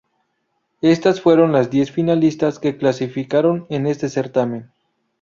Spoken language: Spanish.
Estas fueron las diez finalistas que clasificaron en este certamen.